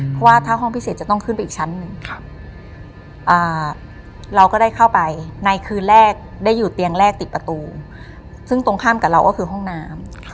เพราะว่าถ้าห้องพิเศษจะต้องขึ้นไปอีกชั้นหนึ่งเราก็ได้เข้าไปในคืนแรกได้อยู่เตียงแรกติดประตูซึ่งตรงข้ามกับเราก็คือห้องน้ำ